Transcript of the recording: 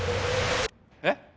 えっ？